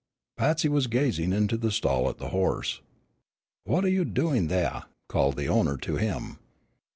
Patsy was gazing into the stall at the horse. "What are you doing thaih," called the owner to him.